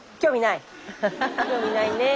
興味ないね。